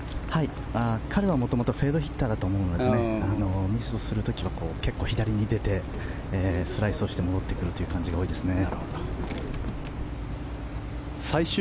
彼は元々フェードヒッターだと思うのでミスをする時は結構左に出てスライスをして戻ってくる感じが多いですね。